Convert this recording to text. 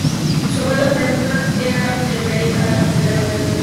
Su abuelo materno era el rey Alano I el Grande de Bretaña.